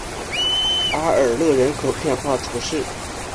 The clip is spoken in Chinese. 阿尔勒人口变化图示